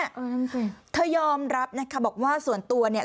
นั่นสิเธอยอมรับนะคะบอกว่าส่วนตัวเนี่ย